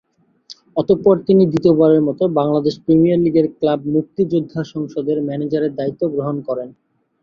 অতঃপর তিনি দ্বিতীয়বারের মতো বাংলাদেশ প্রিমিয়ার লীগের ক্লাব মুক্তিযোদ্ধা সংসদের ম্যানেজারের দায়িত্ব গ্রহণ করেন।